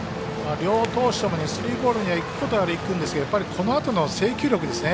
両投手ともにスリーボールにいくことはいくんですけどやっぱりこのあとの制球力ですね。